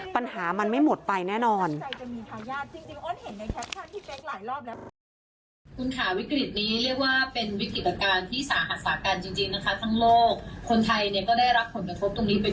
ปัญหามันไม่หมดไปแน่นอน